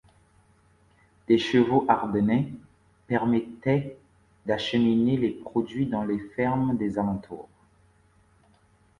Des chevaux ardennais permettaient d'acheminer les produits dans les fermes des alentours.